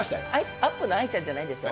アップの愛ちゃんじゃないですよ。